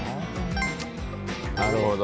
なるほど。